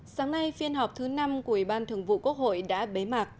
sáng nay phiên họp thứ năm của ủy ban thường vụ quốc hội đã bếp